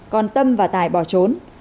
còn tâm và tài bỏ trốn